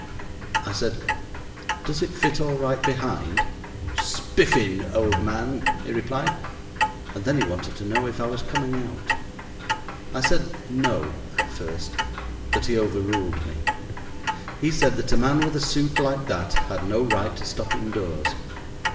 I said: "Does it fit all right behind?" "Spiffin, old man," he replied. And then he wanted to know if I was coming out. I said "no" at first, but he overruled me. He said that a man with a suit like that had no right to stop indoors.